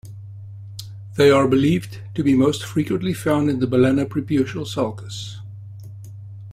They are believed to be most frequently found in the balanopreputial sulcus.